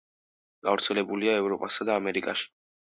გავრცელებულია ევროპასა და ამერიკაში.